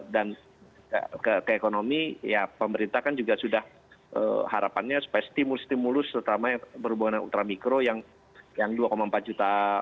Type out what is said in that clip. dan ke ekonomi ya pemerintah kan juga sudah harapannya supaya stimulus stimulus terutama yang berubah dengan ultra mikro yang dua empat juta